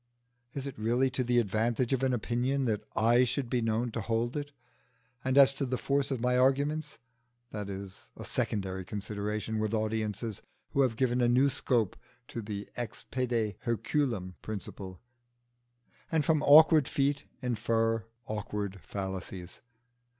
Is it really to the advantage of an opinion that I should be known to hold it? And as to the force of my arguments, that is a secondary consideration with audiences who have given a new scope to the ex pede Herculem principle, and from awkward feet infer awkward fallacies.